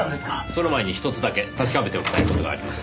その前にひとつだけ確かめておきたい事があります。